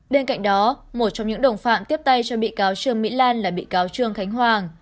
bên cạnh đó một trong những đồng phạm tiếp tay cho bị cáo trương mỹ lan là bị cáo trương khánh hoàng